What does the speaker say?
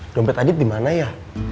jompet adit dimana ya